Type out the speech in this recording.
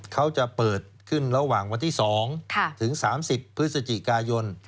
เขาจะเปิดขึ้นระหว่างวันที่๒ถึง๓๐พฤศจิกายน